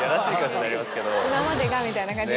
「今までが」みたいな感じに。